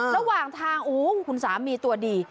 ระหว่างทางโอ๊ยของข๙๕๖ตัวดี